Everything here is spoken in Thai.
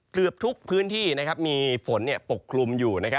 เกือบทุกพื้นที่มีฝนปกคลุมอยู่